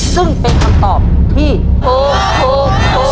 ซึ่งเป็นคำตอบที่โอโอโอ